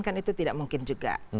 kan itu tidak mungkin juga